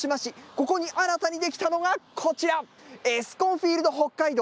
ここに新たにできたのが、こちらエスコンフィールド北海道。